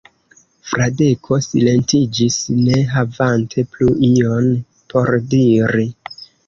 Fradeko silentiĝis, ne havante plu ion por diri.